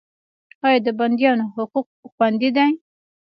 آیا د بندیانو حقوق خوندي دي؟